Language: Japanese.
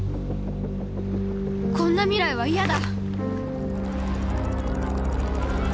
こんな未来は嫌だ！